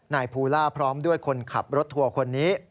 ภูล่าพร้อมด้วยคนขับรถทัวร์คนนี้